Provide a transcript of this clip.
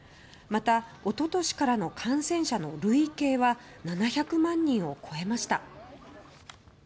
また、一昨年からの感染者の累計は７００万人を超えました。